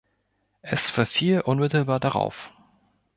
Es verfiel unmittelbar darauf.